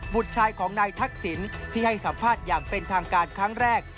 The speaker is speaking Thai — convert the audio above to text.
บุตรชายของนายทักษิณที่ให้สัมภาษณ์อย่างเป็นทางการครั้งแรก